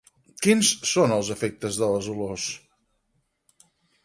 Quins són els efectes de les olors?